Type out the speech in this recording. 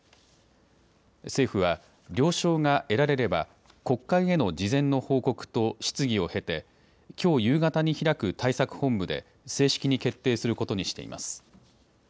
政府は了承が得られれば国会への事前の報告と質疑を経てきょう夕方に開く対策本部で正式に決定することにしています。